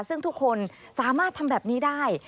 ซึ่งทุกคนสามารถทำแบบนี้ได้